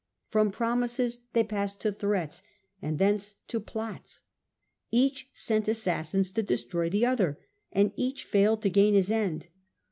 From promises they passed to threats, and thence to plots. Each sent assassins to destroy the other, and each failed to gain his end.